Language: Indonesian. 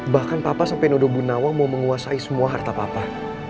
bahkan papa sampai nodobunawa mau menguasai semua harta papa